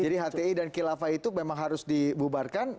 jadi hti dan khilafah itu memang harus dibubarkan